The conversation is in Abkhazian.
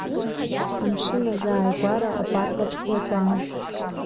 Амшын азааигәара апарк аҿы ҳлатәан.